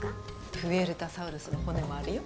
プエルタサウルスの骨もあるよ。